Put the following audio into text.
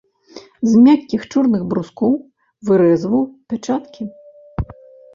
З мяккіх чорных брускоў вырэзваў пячаткі.